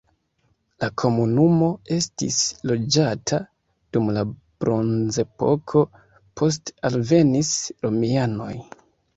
La komunumo estis loĝata dum la bronzepoko, poste alvenis romianoj.